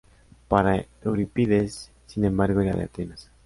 Para Eurípides sin embargo era de Atenas.